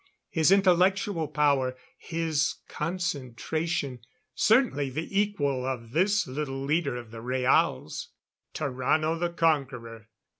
His intellectual power his concentration certainly the equal of this little leader of the Rhaals. Tarrano the Conqueror!